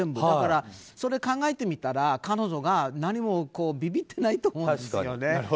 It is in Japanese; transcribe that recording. だから、それを考えてみたら彼女は何もビビってないと思うんですよ。